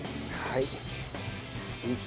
はい。